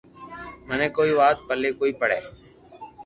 منو ڪوئي وات پلي ڪوئي پڙي